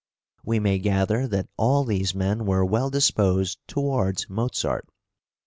We may gather that all these men were well disposed towards Mozart.